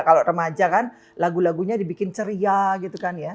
kalau remaja kan lagu lagunya dibikin ceria gitu kan ya